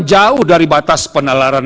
jauh dari batas penalaran